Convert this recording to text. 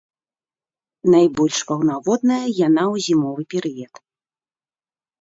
Найбольш паўнаводная яна ў зімовы перыяд.